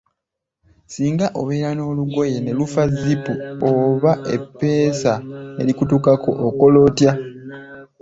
Singa obeera n'olugoye ne lufa zipu oba eppeesa ne likutukako, okola otya?